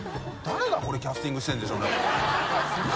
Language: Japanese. これキャスティングしてるんでしょうね？